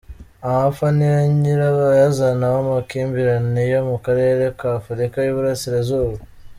Amapfa niyo nyirabayazana w’amakimbirane yo mu Karere ka Afurika y’Uburasirazuba